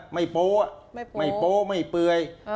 โป๊ะไม่โป๊ไม่เปื่อย